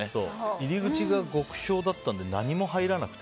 入り口が極小だったから何も入らなくて。